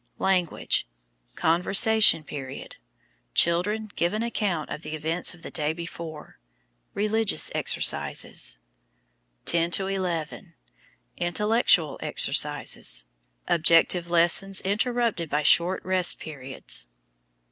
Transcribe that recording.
Language: Conversation period: Children give an account of the events of the day before. Religious exercises. 10 11. Intellectual exercises. Objective lessons interrupted by short rest periods.